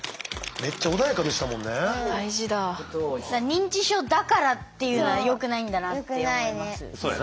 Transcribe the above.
認知症だからっていうのはよくないんだなって思います。